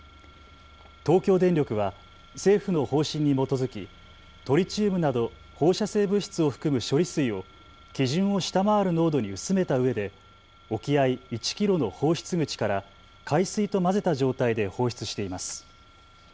東京電力は政府の方針に基づきトリチウムなど放射性物質を含む処理水を基準を下回る濃度に薄めたうえで沖合１キロの放出口から海水と混ぜた状態で放出しています。